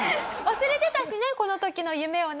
忘れてたしねこの時の夢をね。